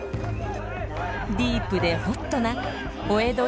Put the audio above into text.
ディープでホットなお江戸